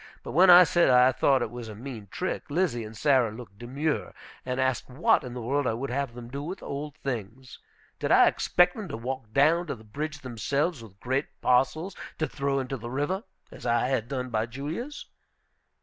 But when I said I thought it was a mean trick, Lizzie and Sarah looked demure, and asked what in the world I would have them do with the old things. Did I expect them to walk down to the bridge themselves with great parcels to throw into the river, as I had done by Julia's?